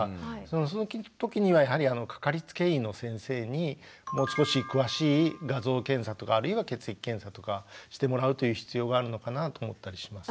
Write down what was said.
そのときにはやはりかかりつけ医の先生にもう少し詳しい画像検査とかあるいは血液検査とかしてもらうという必要があるのかなと思ったりします。